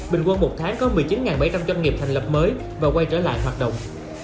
bình quân một tháng có một mươi chín bảy trăm linh doanh nghiệp thành lập mới và quay trở lại hoạt động